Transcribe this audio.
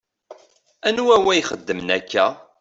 Anwa wa i ixedmen akka?